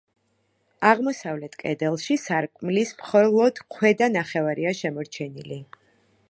აღმოსავლეთ კედელში სარკმლის მხოლოდ ქვედა ნახევარია შემორჩენილი.